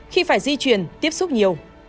khi phải di chuyển tiếp xúc nhiều